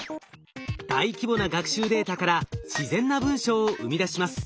大規模な学習データから自然な文章を生み出します。